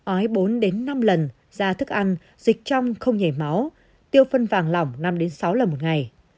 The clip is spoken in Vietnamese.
ói bốn năm lần da thức ăn dịch trong không nhảy máu tiêu phân vàng lỏng năm sáu lần một ngày